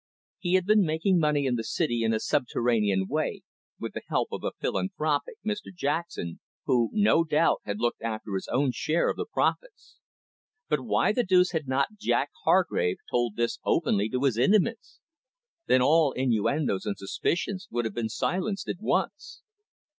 He had been making money in the City in a subterranean way, with the help of the philanthropic Mr Jackson, who, no doubt, had looked after his own share of the profits. But why the deuce had not Jack Hargrave told this openly to his intimates? Then all innuendos and suspicions would have been silenced at once.